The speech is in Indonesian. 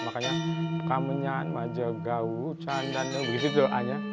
makanya kemenyan majagau candan begitu saja